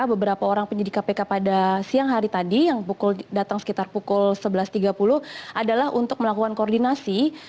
beberapa orang penyidik kpk pada siang hari tadi yang datang sekitar pukul sebelas tiga puluh adalah untuk melakukan koordinasi